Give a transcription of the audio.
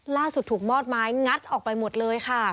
ถูกมอดไม้งัดออกไปหมดเลยค่ะ